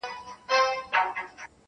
د ګلونو پر غونډۍ اورونه اوري-